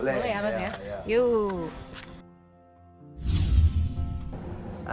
boleh ya mas ya